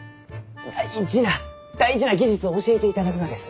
大事な大事な技術を教えていただくがです。